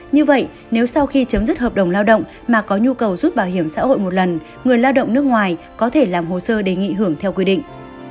như vậy nếu sau khi chấm dứt hợp đồng lao động mà có nhu cầu rút bảo hiểm xã hội một lần người lao động nước ngoài có thể làm hồ sơ đề nghị hưởng theo quy định